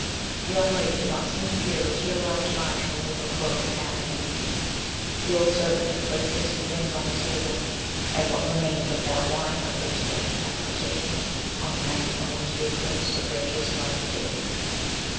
The young lady did not seem to hear, but she allowed Tamar to remove her cloak and hat and handkerchief. The old servant had placed the tea things on the table, and what remained of that wine of which Stanley had partaken on the night from which the eclipse of Rachel's life dated.